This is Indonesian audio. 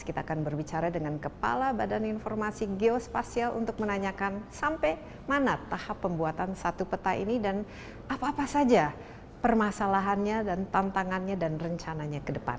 kita akan berbicara dengan kepala badan informasi geospasial untuk menanyakan sampai mana tahap pembuatan satu peta ini dan apa apa saja permasalahannya dan tantangannya dan rencananya ke depan